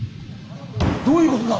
どういうことだ！